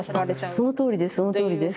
そのとおりです。